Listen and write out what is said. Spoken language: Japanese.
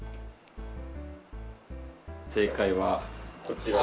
正解はこちら。